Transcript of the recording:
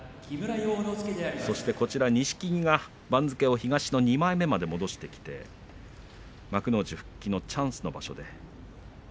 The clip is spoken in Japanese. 錦木が番付を東の２枚目まで戻してきて幕内復帰のチャンスの場所。